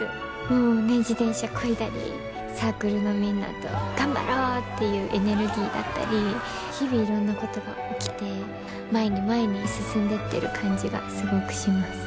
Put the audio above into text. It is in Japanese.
もうね自転車こいだりサークルのみんなと頑張ろうっていうエネルギーだったり日々いろんなことが起きて前に前に進んでってる感じがすごくします。